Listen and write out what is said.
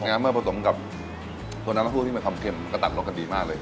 ไงนะเพราะผสมกับส่วนน้ำเตาหู้ที่เป็นความเข็มก็ตัดลดกันดีมากเลย